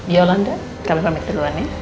yolanda kami pamit duluan ya